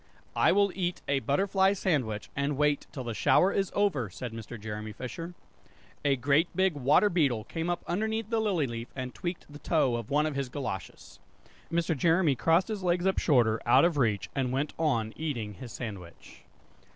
"I will eat a butterfly sandwich, and wait till the shower is over," said Mr. Jeremy Fisher. A great big water beetle came up underneath the lily leaf and tweaked the toe of one of his goloshes. Mr. Jeremy crossed his legs up shorter, out of reach, and went on eating his sandwich.